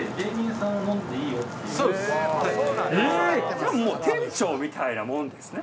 じゃあもう店長みたいなもんですね。